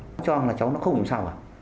cháu không sao cháu không sao